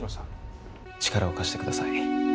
力を貸してください。